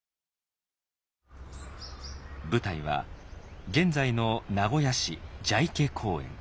舞台は現在の名古屋市蛇池公園。